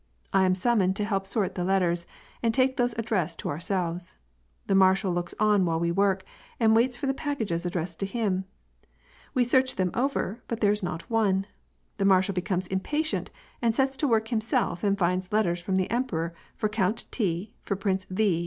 I am summoned to help sort the letters and take those addressed to our selves. The marshal looks on while we work, and waits for the packases addressed to him. We search them over, but there is not one. The marshal becomes impatient and sets to work himself and finds letters from the emperor for Count T., for Prince V.